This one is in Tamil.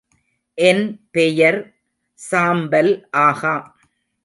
என் பெயர் சாம்பல் ஆகா.